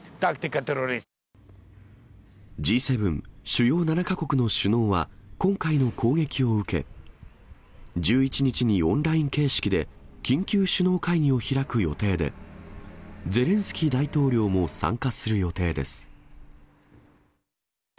Ｇ７・主要７か国の首脳は、今回の攻撃を受け、１１日にオンライン形式で緊急首脳会議を開く予定で、ゼレンスキー大統領も参加する予定です。